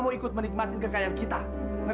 orang tua ini masih nggak bisa ikut campur